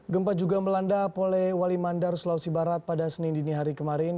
gempa juga melanda polewali mandar sulawesi barat pada senin dini hari kemarin